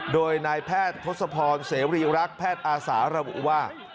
โดยนายแพทย์ทศพรเสรีรักษ์แพทย์อาสาระบุว่า